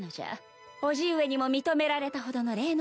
伯父上にも認められたほどの霊能力者でな。